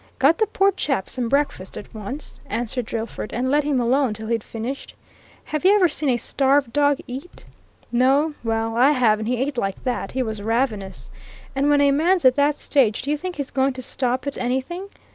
"Got the poor chap some breakfast, at once," answered Drillford, "and let him alone till he'd finished. Have you ever seen a starved dog eat? No well, I have, and he ate like that he was ravenous! And when a man's at that stage, do you think he's going to stop at anything?